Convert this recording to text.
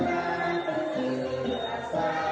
การทีลงเพลงสะดวกเพื่อความชุมภูมิของชาวไทยรักไทย